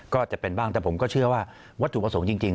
ก็จะเป็นบ้างแต่ผมก็เชื่อว่าวัตถุประสงค์จริง